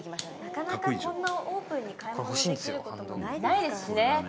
なかなかこんなオープンに買い物できることもないでしょうし。